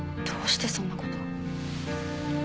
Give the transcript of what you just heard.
どうしてそんな事。